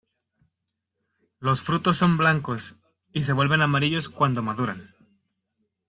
Los frutos son blancos, y se vuelven amarillos cuando maduran.